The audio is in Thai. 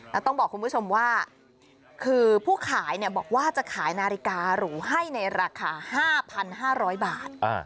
แล้วต้องบอกคุณผู้ชมว่าคือผู้ขายบอกว่าจะขายนาฬิการูให้ในราคา๕๕๐๐บาท